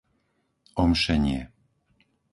Omšenie